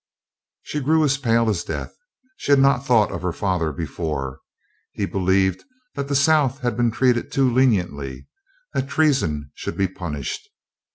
She grew as pale as death. She had not thought of her father before—he believed that the South had been treated too leniently, that treason should be punished.